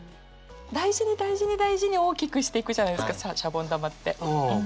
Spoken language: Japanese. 大事に大事に大事に大きくしていくじゃないですかしゃぼん玉って。